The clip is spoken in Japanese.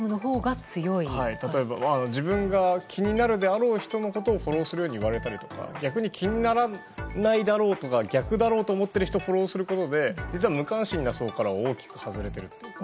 例えば、自分が気になるであろう人のことをフォローするように言われたりとか逆に気にならないとか逆だろうと思う人をフォローすることで実は無関心な層から大きく外れているというか。